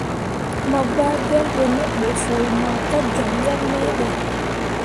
Mo gɓah jol be ne ɓə foo mor ka joŋ yebmain ɗə.